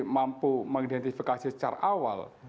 mampu mengidentifikasi secara awal